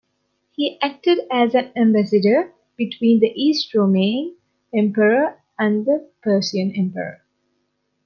He acted as an ambassador between the East Roman Emperor and the Persian Emperor.